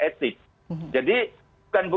etik jadi bukan